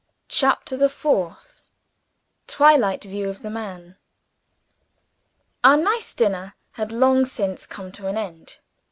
CHAPTER THE FOURTH Twilight View of the Man OUR nice dinner had long since come to an end.